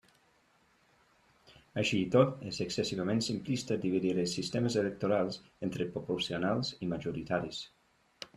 Així i tot, és excessivament simplista dividir els sistemes electorals entre proporcionals i majoritaris.